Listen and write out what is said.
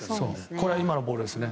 これは今のボールですね。